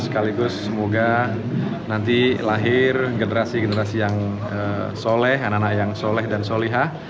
sekaligus semoga nanti lahir generasi generasi yang soleh anak anak yang soleh dan soleha